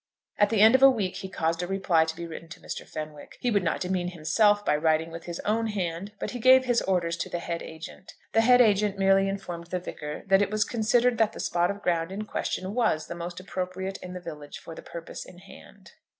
At the end of a week he caused a reply to be written to Mr. Fenwick. He would not demean himself by writing with his own hand, but he gave his orders to the head agent. The head agent merely informed the Vicar that it was considered that the spot of ground in question was the most appropriate in the village for the purpose in hand.